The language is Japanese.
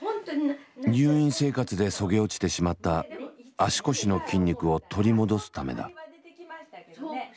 入院生活でそげ落ちてしまった足腰の筋肉を取り戻すためだ。